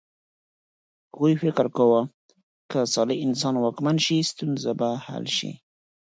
هغوی فکر کاوه که صالح انسان واکمن شي ستونزه به حل شي.